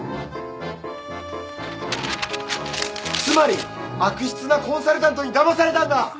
つまり悪質なコンサルタントにだまされたんだ！